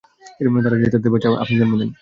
তারা চায় তাদের বাচ্চা আপনি জন্ম দেন।